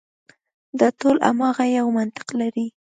دا ټول هماغه یو منطق لري.